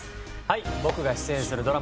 はい僕が出演するドラマ